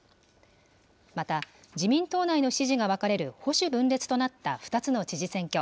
また、自民党内の支持が分かれる、保守分裂となった２つの知事選挙。